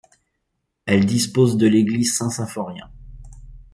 Elle dispose de l'église Saint-Symphorien.